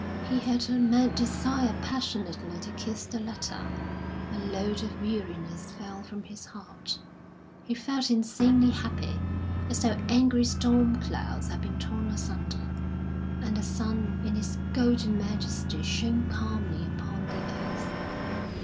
He had a mad desire passionately to kiss the letter; a load of weariness fell from his heart; he felt insanely happy, as though angry storm clouds had been torn asunder, and the sun in its golden majesty shone calmly upon the earth....